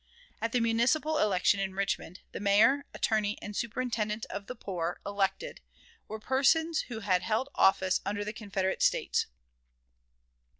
At the municipal election in Richmond, the Mayor, Attorney, and Superintendent of the Poor, elected, were persons who had held office under the Confederate States.